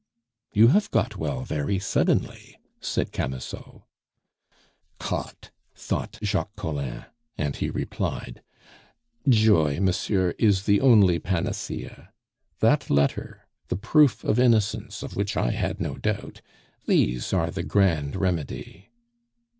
"You have got well very suddenly!" said Camusot. "Caught!" thought Jacques Collin; and he replied: "Joy, monsieur, is the only panacea. That letter, the proof of innocence of which I had no doubt these are the grand remedy."